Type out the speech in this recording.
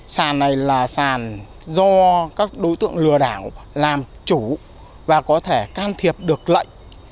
sàn này là sàn do các đối tượng lừa đảo làm chủ và có thể can thiệp được lệnh